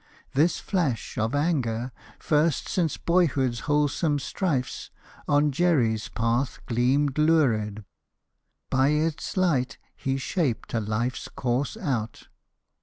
This flash Of anger first since boyhood's wholesome strifes On Jerry's path gleamed lurid; by its light He shaped a life's course out.